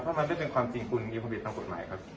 ถ้ามันไม่เป็นความจริงคุณมีความผิดตามกฎหมายครับ